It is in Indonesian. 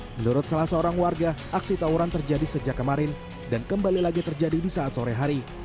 menurut salah seorang warga aksi tawuran terjadi sejak kemarin dan kembali lagi terjadi di saat sore hari